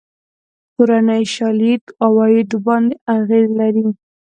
کورنۍ شالید عوایدو باندې اغېز لري.